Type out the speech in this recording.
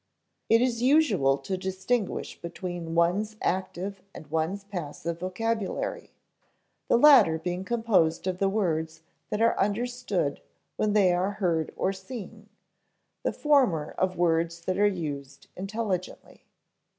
It is usual to distinguish between one's active and one's passive vocabulary, the latter being composed of the words that are understood when they are heard or seen, the former of words that are used intelligently.